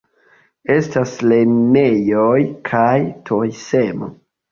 Estas lernejoj kaj turismo.